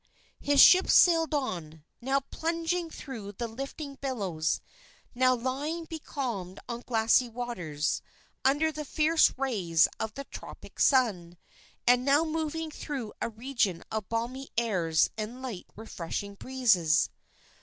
His ships sailed on, now plunging through the lifting billows, now lying becalmed on glassy waters under the fierce rays of the tropic sun, and now moving through a region of balmy airs and light refreshing breezes.